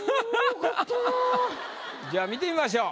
じゃあ見てみましょう。